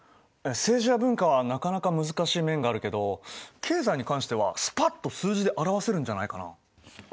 政治や文化はなかなか難しい面があるけど経済に関してはスパッと数字で表せるんじゃないかな？